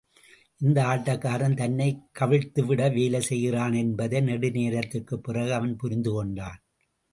இந்த ஆட்டக்காரன் தன்னைக் கவிழ்த்து விட வேலை செய்கிறானென்பதை, நெடுநேரத்திற்குப் பிறகு அவன் புரிந்து கொண்டான்.